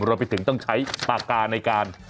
รวมไปถึงต้องใช้ปากกาในการ